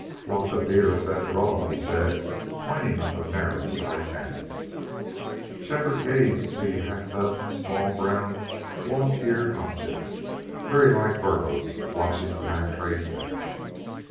"Flock of deer up that draw," he said, pointing up a narrow side cañon. Shefford gazed to see a half dozen small, brown, long eared objects, very like burros, watching the pack train pass.